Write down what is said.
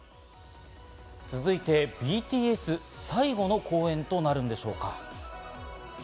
続いてＢＴＳ、最後の公演となるんでしょうか。